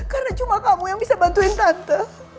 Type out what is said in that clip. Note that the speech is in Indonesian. karena cuma kamu yang bisa bantuin tante